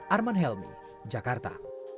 arman helmy jakarta